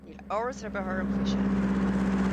Níl amhras ar bith orm faoi sin.